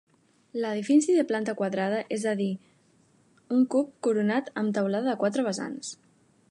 Edifici de planta quadrada, és a dir un cub coronat amb teulada de quatre vessants.